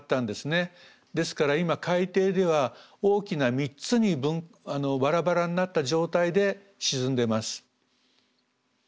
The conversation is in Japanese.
ですから今海底では大きな３つにバラバラになった状態で沈んでます。